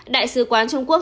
đại sứ quán trung quốc